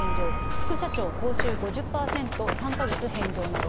副社長、報酬５０％３か月返上など。